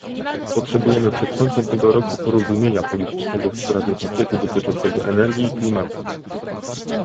Potrzebujemy przed końcem tego roku porozumienia politycznego w sprawie pakietu dotyczącego energii i klimatu